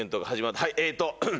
はいえっと。